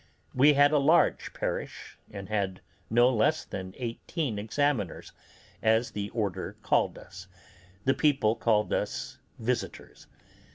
We had a large parish, and had no less than eighteen examiners, as the order called us; the people called us visitors.